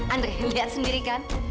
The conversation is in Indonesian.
andre lihat sendiri kan